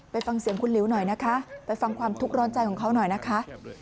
ไปฟังเสียงคุณหลิวหน่อยนะคะไปฟังความทุกข์ร้อนใจของเขาหน่อยนะคะ